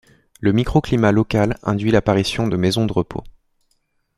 Le microclimat local induit l’apparition de maisons de repos.